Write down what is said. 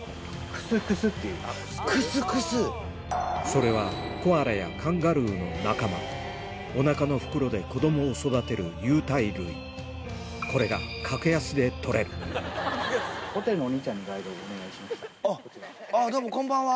それはコアラやカンガルーの仲間おなかの袋で子どもを育てる有袋類これがあっどうもこんばんは。